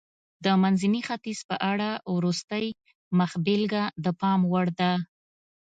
د منځني ختیځ په اړه وروستۍ مخبېلګه د پام وړ ده.